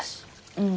うん。